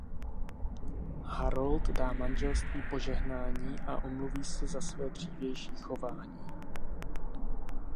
Harold dá manželství požehnání a omluví se za své dřívější chování.